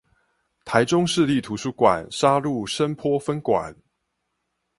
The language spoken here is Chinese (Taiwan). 臺中市立圖書館沙鹿深波分館